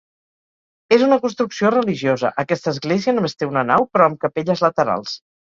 És una construcció religiosa, aquesta església només té una nau però amb capelles laterals.